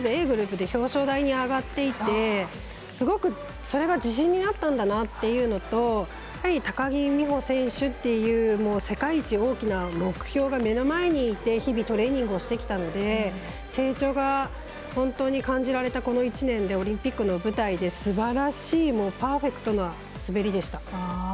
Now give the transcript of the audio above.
Ａグループで表彰台に上がっててすごくそれが自信になったんだなというのとやはり高木美帆選手という世界一大きな目標が目の前にいて日々トレーニングしてきたので成長が本当に感じられたこの１年でオリンピックの舞台ですばらしいパーフェクトな滑りでした。